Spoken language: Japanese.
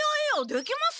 できます！